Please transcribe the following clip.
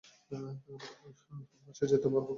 আমার বাসায় যেতে পারব না আমরা।